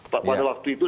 pada waktu itu